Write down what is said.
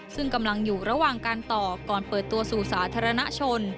ซึ่งกำลังอยู่ระหว่างการต่อก่อนเปิดตัวสู่สาธารณชน